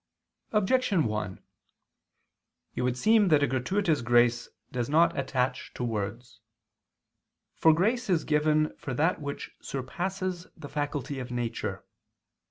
Objection 1: It would seem that a gratuitous grace does not attach to words. For grace is given for that which surpasses the faculty of nature.